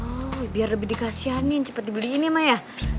oh biar lebih dikasihanin cepet dibeliinnya ma ya